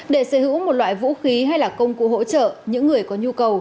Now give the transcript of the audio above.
để sở hữu một loại vũ khí hay là công cụ hỗ trợ những người có nhu cầu